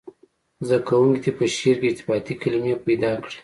زده کوونکي دې په شعر کې ارتباطي کلمي پیدا کړي.